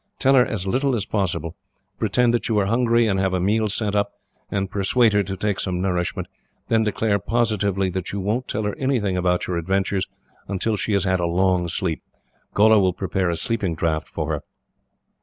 Tell her as little as possible. Pretend that you are hungry, and have a meal sent up, and persuade her to take some nourishment; then declare, positively, that you won't tell her anything about your adventures, until she has had a long sleep. Gholla will prepare a sleeping draught for her.